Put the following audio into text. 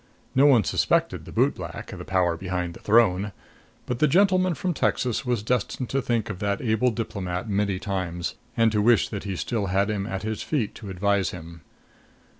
No one suspected the bootblack, the power behind the throne; but the gentleman from Texas was destined to think of that able diplomat many times, and to wish that he still had him at his feet to advise him.